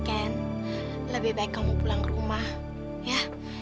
ken lebih baik kamu pulang ke rumah ya